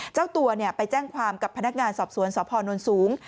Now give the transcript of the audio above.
เจ้าตัวไปแจ้งความกับพนักงานสอบสวนสพนสูง